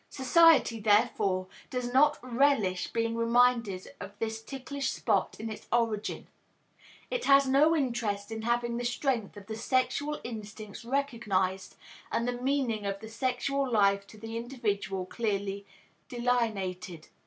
Society, therefore, does not relish being reminded of this ticklish spot in its origin; it has no interest in having the strength of the sexual instincts recognized and the meaning of the sexual life to the individual clearly delineated.